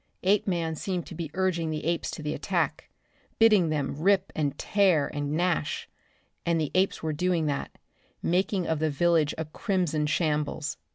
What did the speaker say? Apeman seemed to be urging the apes to the attack, bidding them rip and tear and gnash, and the apes were doing that, making of the village a crimson shambles.